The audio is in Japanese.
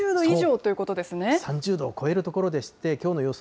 そう、３０度を超える所でして、きょうの予想